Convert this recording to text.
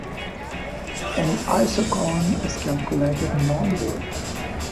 An isochron is calculated normally.